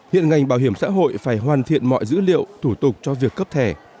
hiện ngành bảo hiểm xã hội phải hoàn thiện mọi dữ liệu thủ tục cho việc cấp thẻ